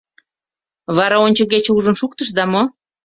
Вара ончыгече ужын шуктышда мо?